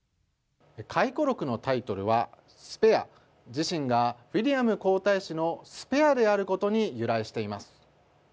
回顧録のタイトルは「スペア」自身がウィリアム皇太子のスペアであることに由来しています。